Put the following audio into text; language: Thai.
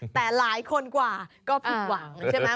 แต่หลายคนกว่าก็ผิดหวังใช่ไหม